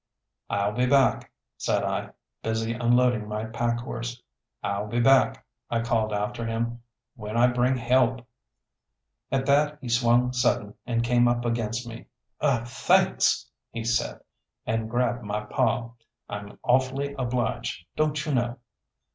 "I'll be back," said I, busy unloading my pack horse. "I'll be back," I called after him, "when I bring help!" At that he swung sudden and came up against me. "Er thanks," he said, and grabbed my paw. "I'm awfully obliged, don't you know."